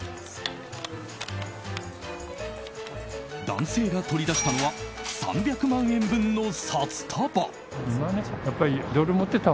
男性が取り出したのは３００万円分の札束。